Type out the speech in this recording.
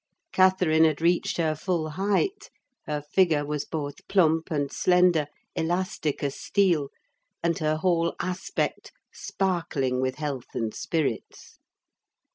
Catherine had reached her full height; her figure was both plump and slender, elastic as steel, and her whole aspect sparkling with health and spirits.